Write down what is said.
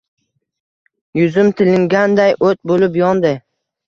yuzim tilinganday o’t bo’lib yondi.